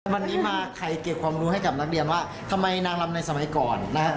วันนี้มาใครเก็บความรู้ให้กับนักเรียนว่าทำไมนางลำในสมัยก่อนนะฮะ